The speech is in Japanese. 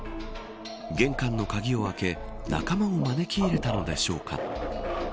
玄関の鍵を開け仲間を招き入れたのでしょうか。